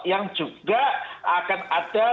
yang juga akan ada